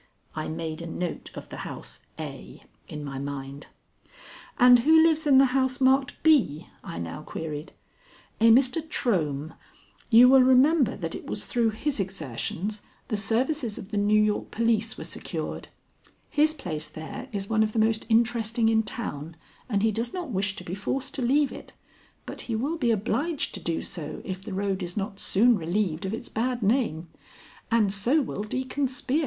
I made a note of the house A in my mind. "And who lives in the house marked B?" I now queried. "A Mr. Trohm. You will remember that it was through his exertions the services of the New York police were secured. His place there is one of the most interesting in town, and he does not wish to be forced to leave it, but he will be obliged to do so if the road is not soon relieved of its bad name; and so will Deacon Spear.